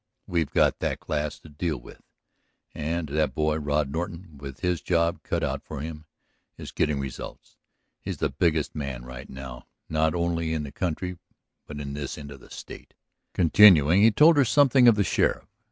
We've got that class to deal with ... and that boy, Rod Norton, with his job cut out for him, is getting results. He's the biggest man right now, not only in the country, but in this end of the state." Continuing he told her something of the sheriff.